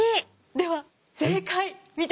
では正解見てみましょう。